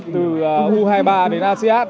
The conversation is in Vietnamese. từ u hai mươi ba đến asean